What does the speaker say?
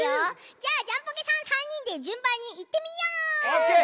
じゃあジャンポケさん３にんでじゅんばんにいってみよう！え！？オーケー！